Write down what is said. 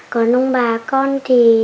còn ông bà con thì